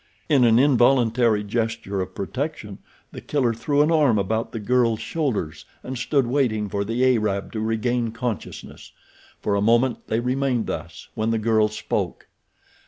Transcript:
In an involuntary gesture of protection The Killer threw an arm about the girl's shoulders and stood waiting for the Arab to regain consciousness. For a moment they remained thus, when the girl spoke.